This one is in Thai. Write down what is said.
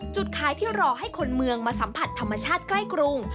จุดขายที่รอให้คนเมืองมาสัมผัสธรรมชาติใกล้กรุง